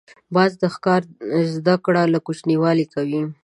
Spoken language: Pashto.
باز د ښکار زده کړه له کوچنیوالي کوي